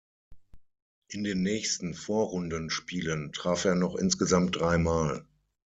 In den nächsten Vorrundenspielen traf er noch insgesamt dreimal.